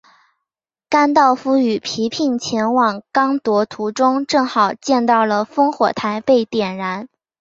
甘道夫与皮聘前往刚铎途中正好见到了烽火台被点燃。